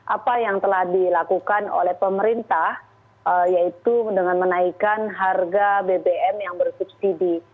apa yang telah dilakukan oleh pemerintah yaitu dengan menaikkan harga bbm yang bersubsidi